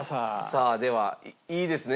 さあではいいですね？